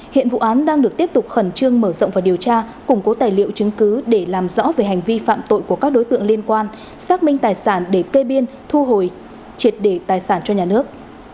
hiện vụ án đang được tiếp tục khẩn trương mở rộng và điều tra củng cố tài liệu chứng cứ để làm rõ về hành vi phạm tội của các đối tượng liên quan xác minh tài sản để cây biên thu hồi triệt để tài sản cho nhà nước